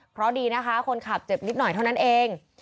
เพราะดีนะคะคนขับเจ็บนิดหน่อยเท่านั้นเอง